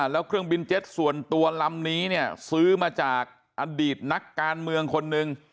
แล้วเครื่องบินเจ็ตส่วนตัวลำนี้เนี่ยซื้อมาจากอดีตนักการเมืองคนหนึ่ง